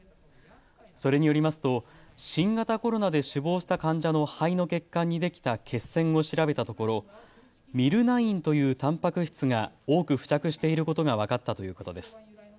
それによりますと新型コロナで死亡した患者の肺の血管にできた血栓を調べたところＭｙｌ９というたんぱく質が多く付着していることが分かったということです。